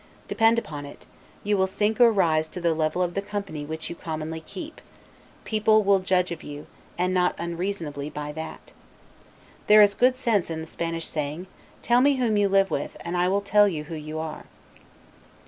Depend upon it, you will sink or rise to the level of the company which you commonly keep: people will judge of you, and not unreasonably, by that. There is good sense in the Spanish saying, "Tell me whom you live with, and I will tell you who you are."